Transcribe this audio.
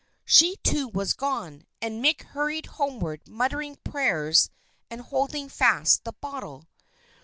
She, too, was gone; and Mick hurried homeward muttering prayers and holding fast the bottle.